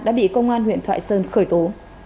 đã bị công an huyện thoại sơn khởi tố